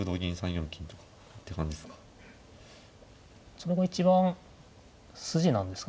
それが一番筋なんですかね。